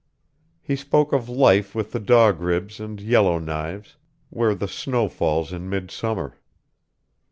He spoke of life with the Dog Ribs and Yellow Knives, where the snow falls in midsummer.